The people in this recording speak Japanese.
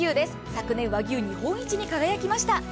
昨年、和牛日本一に輝きました。